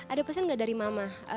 ada pesan gak dari mama